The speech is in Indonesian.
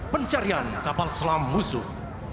pencarian kapal selam musuh